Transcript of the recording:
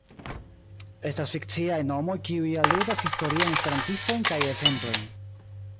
Estas fikciaj nomoj kiuj aludas historiajn Esperantistojn kaj eventojn.